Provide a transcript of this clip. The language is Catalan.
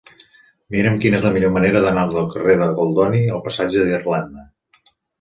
Mira'm quina és la millor manera d'anar del carrer de Goldoni al passatge d'Irlanda.